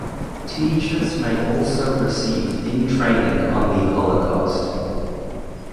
Teachers may also receive in training on the Holocaust.